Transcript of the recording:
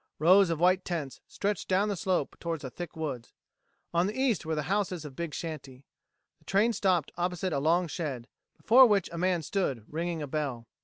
Rows of white tents stretched down the slope towards a thick woods. On the east were the houses of Big Shanty. The train stopped opposite a long shed, before which a man stood ringing a bell.